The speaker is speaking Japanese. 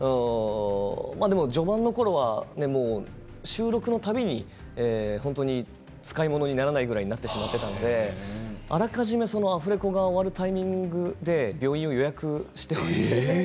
でも序盤のころは収録の度に本当に使い物にならないぐらいに叫んでいたのであらかじめアフレコが終わるタイミングで病院を予約していました。